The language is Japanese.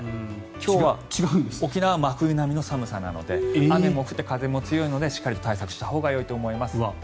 今日、沖縄は真冬並みの寒さなので雨も降って風も強いのでしっかり対策したほうがいいと思います。